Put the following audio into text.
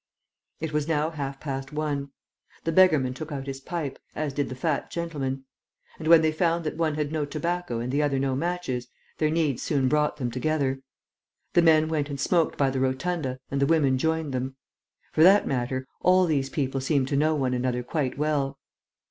It was now half past one. The beggar man took out his pipe, as did the fat gentleman; and, when they found that one had no tobacco and the other no matches, their needs soon brought them together. The men went and smoked by the rotunda and the women joined them. For that matter, all these people seemed to know one another quite well.